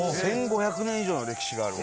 １５００年以上の歴史がある。